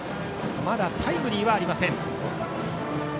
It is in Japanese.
まだタイムリーはありません。